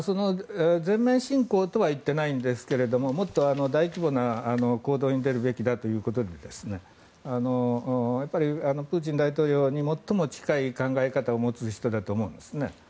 全面侵攻とは言ってないんですけどもっと大規模な行動に出るべきだということでプーチン大統領に最も近い考え方を持つ人だと思うんですね。